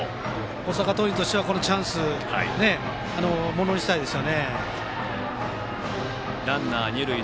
大阪桐蔭はこのチャンス、ものにしたいです。